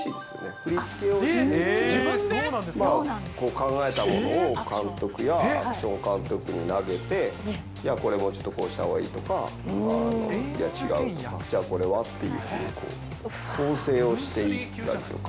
振り付けをして、考えたものを監督やアクション監督に投げて、これ、もうちょっとこうしたほうがいいとか、いや、違うとか、じゃあ、これは？とか構成をしていったりとか。